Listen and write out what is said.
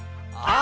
「あ！